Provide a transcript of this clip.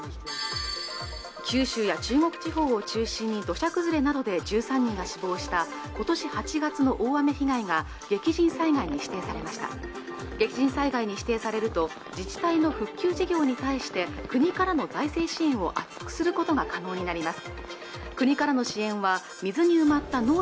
九州や中国地方を中心に土砂崩れなどで１３人が死亡したことし８月の大雨被害が激甚災害に指定されました激甚災害に指定されると自治体の復旧事業に対して国からの財政支援を厚くすることが可能になります